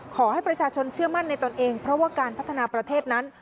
ขอให้ประชาชนเชื่อมั่นในตนเองเพราะว่าการพัฒนาประเทศนั้น